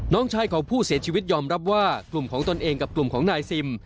น้องชายของผู้เสียชีวิตยอมรับว่ากลุ่มของตนเองกับกลุ่มของนายซิม